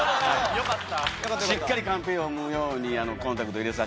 よかった。